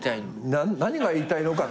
何が言いたいの？